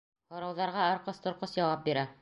Һорауҙарға арҡыс-торҡос яуап бирә.